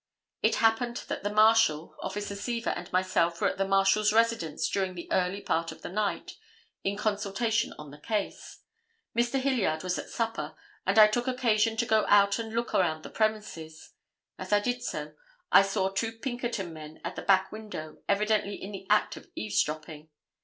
It happened that the Marshal, Officer Seaver and myself were at the Marshal's residence during the early part of the night in consultation on the case. Mr. Hilliard was at supper, and I took occasion to go out and look around the premises. As I did so, I saw two Pinkerton men at the back window evidently in the act of eavesdropping.